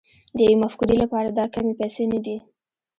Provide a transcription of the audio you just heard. د يوې مفکورې لپاره دا کمې پيسې نه دي.